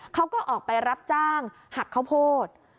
เขาก็ออกไปรับจ้างหักข้าวโพด